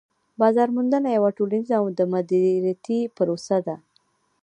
بازار موندنه یوه ټولنيزه او دمدریتی پروسه ده